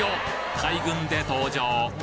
大群で登場！